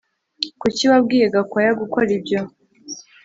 Kuki wabwiye Gakwaya gukora ibyo